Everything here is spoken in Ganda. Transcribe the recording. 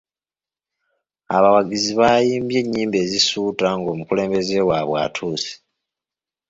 Abawagizi baayimbye ennyimba ezisuuta ng'omukulembeze waabwe atuuse.